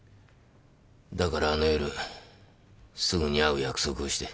だからあの夜すぐに会う約束をして。